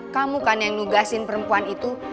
kamu kan yang nugasin perempuan itu